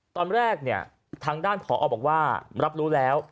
ตอนแรกเนี่ยทางด้านผอบอกว่ารับรู้แล้ว